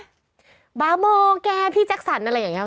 แบบบ๊าวมองแกพี่แจ๊กสันอะไรอย่างนี้